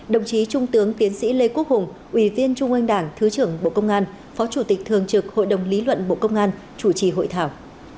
đồng chí trung tướng tiến sĩ lê quốc hùng ủy viên trung ương đảng thứ trưởng bộ công an phó chủ tịch thường trực hội đồng lý luận bộ công an chủ trì hội thảo